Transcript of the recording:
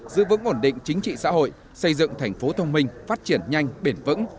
giữ vững ổn định chính trị xã hội xây dựng thành phố thông minh phát triển nhanh bền vững